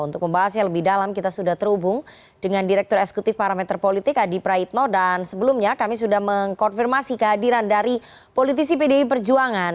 untuk pembahas yang lebih dalam kita sudah terhubung dengan direktur eksekutif parameter politik adi praitno dan sebelumnya kami sudah mengkonfirmasi kehadiran dari politisi pdi perjuangan